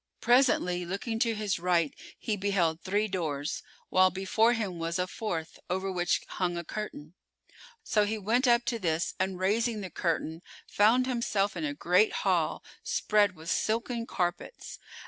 Presently looking to his right he beheld three doors, while before him was a fourth, over which hung a curtain. So he went up to this and raising the curtain, found himself in a great hall[FN#416] spread with silken carpets.